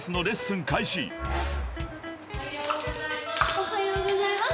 ・おはようございます。